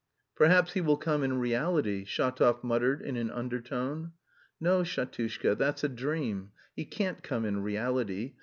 "Perhaps he will come in reality," Shatov muttered in an undertone. "No, Shatushka, that's a dream.... He can't come in reality.